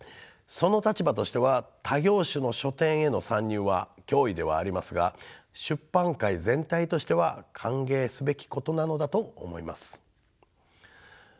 その立場としては他業種の書店への参入は脅威ではありますが出版界全体としては歓迎すべきことなのだと思います。